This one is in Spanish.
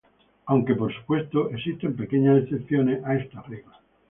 Aunque, por supuesto, existen pequeñas excepciones a esta regla.